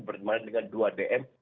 bersama dengan dua dm